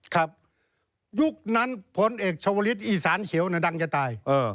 ครับยุคนั้นผลเอกชวริสต์อีสานเขียวดังจะตาย